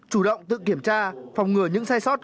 chủ động tự kiểm tra phòng ngừa những sai sót